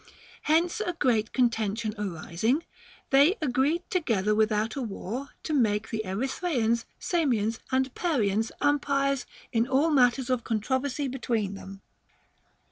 Hence a great contention arising, they agreed together without a war to make the Erythraeans, Samians, and Parians umpires in all matters of controversy between them.